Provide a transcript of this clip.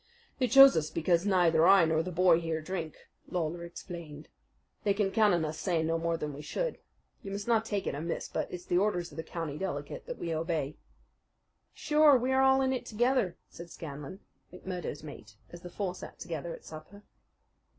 "They chose us because neither I nor the boy here drink," Lawler explained. "They can count on us saying no more than we should. You must not take it amiss, but it is the orders of the County Delegate that we obey." "Sure, we are all in it together," said Scanlan, McMurdo's mate, as the four sat together at supper.